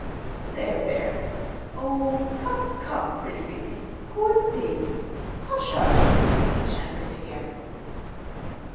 "There, there! Oh, come, come, pretty baby, good baby, hush, hush," he chanted again.